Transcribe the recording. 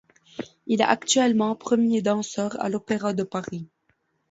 Il est actuellement premier danseur à l'Opéra de Paris.